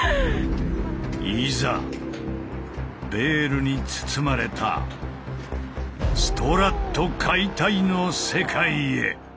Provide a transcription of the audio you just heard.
いざベールに包まれたストラット解体の世界へ！